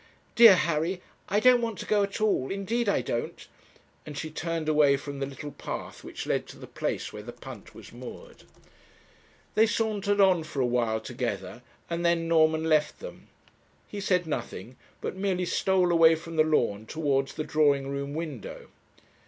Dear Harry, I don't want to go at all, indeed I don't,' and she turned away from the little path which led to the place where the punt was moored. They sauntered on for a while together, and then Norman left them. He said nothing, but merely stole away from the lawn towards the drawing room window.